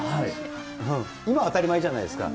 今は当たり前じゃないですか。